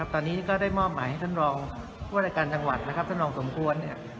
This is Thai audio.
ตอนนี้ก็ได้มอบหมายให้ท่านรองผู้รายการจังหวัดท่านรองสมควร